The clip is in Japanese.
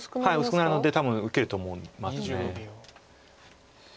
薄くなるので多分受けると思います。